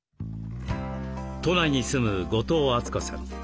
都内に住む後藤敦子さん。